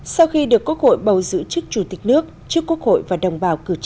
sau khi được quốc hội bầu giữ chức chủ tịch nước trước quốc hội và đồng bào cử tri